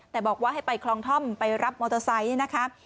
แต่บอกว่าให้ไปคลองท่อมไปรับมอเตอร์ไซค์นะคะ